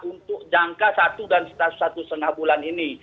untuk jangka satu dan satu setengah bulan ini